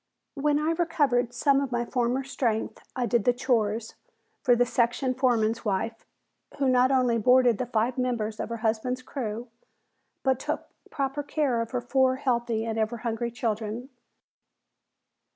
When I recovered some of my former strength I did the "chores" for the section foreman's wife, who not only boarded the five members of her husband's crew, but took proper care of her four healthy and ever hungry children.